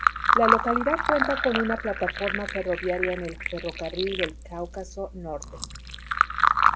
La localidad cuenta con una plataforma ferroviaria en el ferrocarril del Cáucaso Norte.